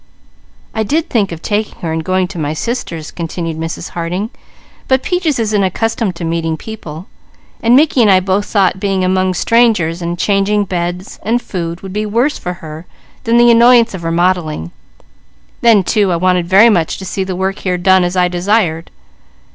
"I did think of taking her and going to my sister's," continued Mrs. Harding, "but Peaches isn't accustomed to meeting people, while Mickey and I both thought being among strangers and changing beds and food would be worse for her than the annoyance of remodelling; then too, I wanted very much to see the work here done as I desired.